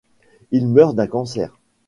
Il meurt d'un cancer.